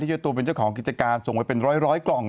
เจ้าตัวเป็นเจ้าของกิจการส่งไปเป็นร้อยกล่อง